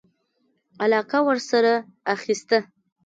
علاقه ورسره اخیسته.